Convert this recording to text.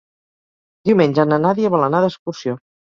Diumenge na Nàdia vol anar d'excursió.